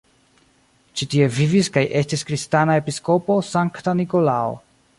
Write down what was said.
Ĉi-tie vivis kaj estis kristana episkopo Sankta Nikolao.